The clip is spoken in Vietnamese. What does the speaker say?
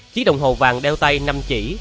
chiếc đồng hồ vàng đeo tay năm chỉ